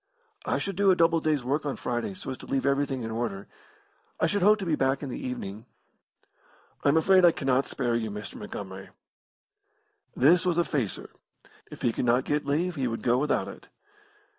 "I should do a double day's work on Friday so as to leave everything in order. I should hope to be back in the evening." "I am afraid I cannot spare you, Mr. Montgomery." This was a facer. If he could not get leave he would go without it.